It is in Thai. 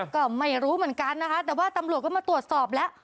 ก็ไม่รู้เหมือนกันนะคะแต่ว่าตำรวจก็มาตรวจสอบแล้ว